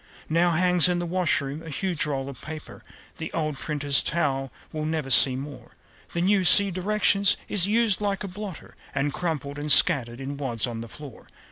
Now hangs in the washroom a huge roll of paper The old printer's towel we'll never see more. The new (see directions) is "used like a blotter," And crumpled and scattered in wads on the floor.